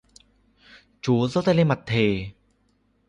Chú Giơ tay lên mặt thề